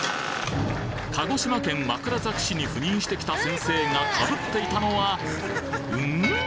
鹿児島県枕崎市に赴任してきた先生がかぶっていたのは、うん？